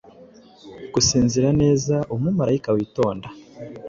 Gusinzira neza Umumarayika witonda,